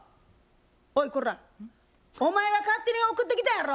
おいこらお前が勝手に送ってきたんやろ。